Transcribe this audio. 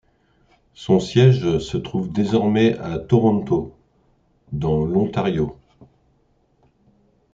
Son siège se trouve désormais à Toronto, dans l'Ontario.